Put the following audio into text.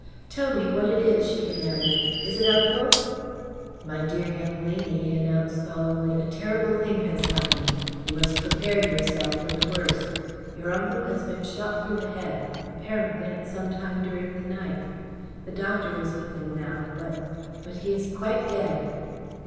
"Tell me what it is?" she demanded. "Is it Uncle?" "My dear young lady," he announced solemnly, "a terrible thing has happened. You must prepare yourself for the worst. Your uncle has been shot through the head, apparently at some time during the night. The doctor is with him now, but but he is quite dead."